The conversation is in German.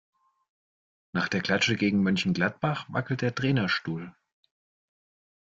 Nach der Klatsche gegen Mönchengladbach wackelt der Trainerstuhl.